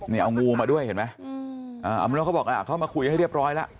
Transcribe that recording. นี่เอางูมาด้วยเห็นไหมอืมอ่าแล้วเขาบอกอ่าเขามาคุยให้เรียบร้อยแล้ว